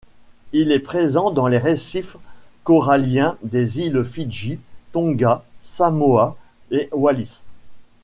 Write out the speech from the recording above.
Il est présent dans les récifs coralliens des îles Fidji, Tonga, Samoa et Wallis.